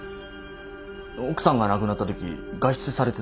奥さんが亡くなったとき外出されてたんですか？